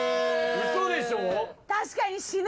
ウソでしょ